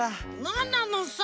なんなのさ？